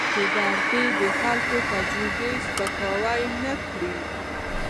یوټوبر دې د خلکو تجربې سپکاوی نه کړي.